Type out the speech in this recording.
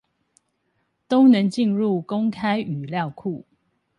都能進入公開語料庫